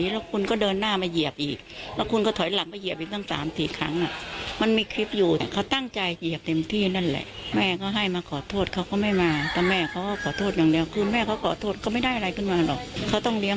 ลูกเขายังเล็กอยู่เนี่ย